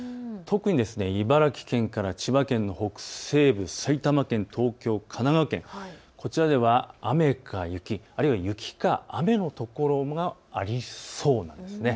特に茨城県や千葉県の北西部、埼玉県、東京、神奈川県、こちらでは雨か雪、あるいは雪か雨の所がありそうです。